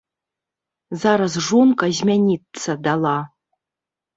Зараз жонка змяніцца дала.